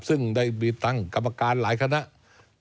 ซึ่งได้มีตั้งกรรมการหลายคณะ